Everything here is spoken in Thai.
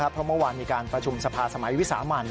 เพราะเมื่อวานมีการประชุมสภาสมัยวิสามัน